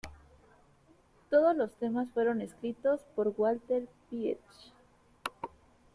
Todos los temas fueron escritos por Walter Pietsch.